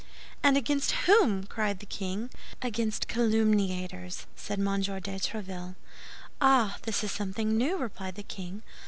"And against whom?" cried the king. "Against calumniators," said M. de Tréville. "Ah! This is something new," replied the king.